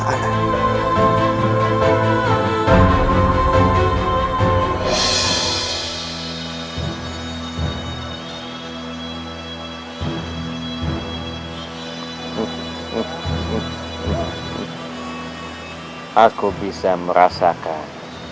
aku bisa merasakan